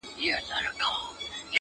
• عجیبه ده لېونی آمر مي وایي،